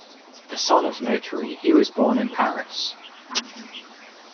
The son of a notary, he was born in Paris.